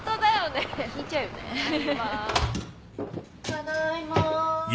ただいま。